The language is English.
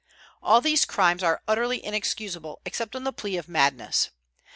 All these crimes are utterly inexcusable, except on the plea of madness.